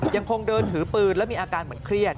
ยังคงเดินถือปืนแล้วมีอาการเหมือนเครียด